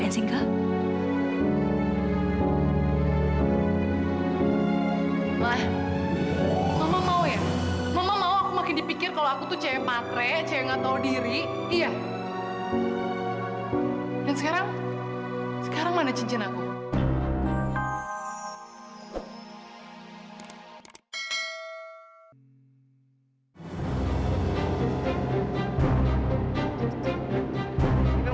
sampai jumpa di video selanjutnya